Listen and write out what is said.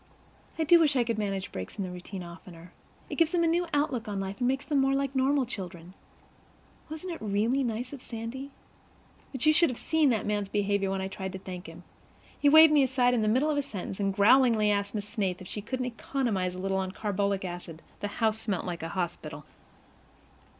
I do wish I could manage breaks in the routine oftener. It gives them a new outlook on life and makes them more like normal children. Wasn't it really nice of Sandy? But you should have seen that man's behavior when I tried to thank him. He waved me aside in the middle of a sentence, and growlingly asked Miss Snaith if she couldn't economize a little on carbolic acid. The house smelt like a hospital.